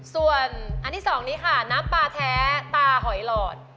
ส่วนอันที่๒นี้ค่ะน้ำปลาแท้ตาหอยหลอด